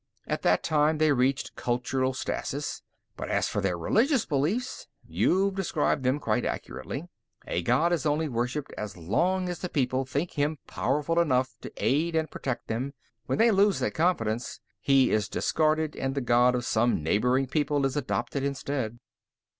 At that time, they reached cultural stasis. But as for their religious beliefs, you've described them quite accurately. A god is only worshiped as long as the people think him powerful enough to aid and protect them; when they lose that confidence, he is discarded and the god of some neighboring people is adopted instead."